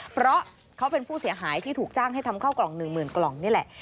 เพราะเขาเป็นผู้เสียหายที่ถูกจ้างให้ทำเข้ากล่อง๑๐๐๐กล่องนี่แหละ